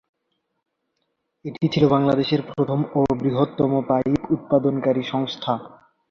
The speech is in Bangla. এটি ছিল বাংলাদেশের প্রথম ও বৃহত্তম পাইপ উৎপাদনকারী সংস্থা।